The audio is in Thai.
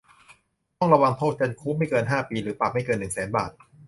ต้องระวางโทษจำคุกไม่เกินห้าปี หรือปรับไม่เกินหนึ่งแสนบาท